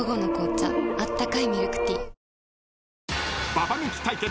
［ババ抜き対決。